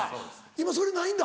今それないんだ。